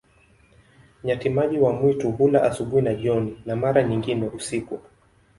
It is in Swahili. Nyati-maji wa mwitu hula asubuhi na jioni, na mara nyingine usiku.